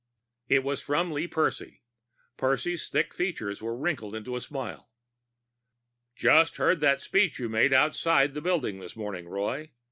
It was from Lee Percy. Percy's thick features were wrinkled into a smile. "Just heard that speech you made outside the building this morning, Roy.